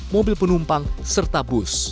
mobil penumpang serta bus